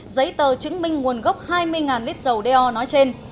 giấy tờ chứng minh nguồn gốc hai mươi lít dầu do nói trên